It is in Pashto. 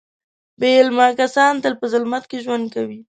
بې علمه کسان تل په ظلمت کې ژوند کوي.